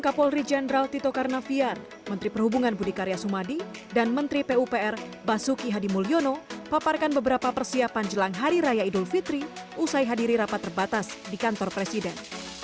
kapolri jenderal tito karnavian menteri perhubungan budi karya sumadi dan menteri pupr basuki hadimulyono paparkan beberapa persiapan jelang hari raya idul fitri usai hadiri rapat terbatas di kantor presiden